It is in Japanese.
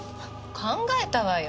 考えたわよ。